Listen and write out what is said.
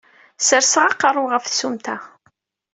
Serseɣ aqarru-w ɣef tsumta.